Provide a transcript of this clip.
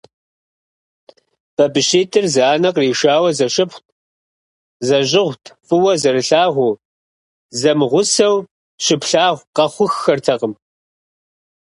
БабыщитӀыр зы анэ къришауэ зэшыпхъут, зэщӀыгъут фӀыуэ зэрылъагъуу, зэмыгъусэу щыплъагъу къэхъуххэртэкъым.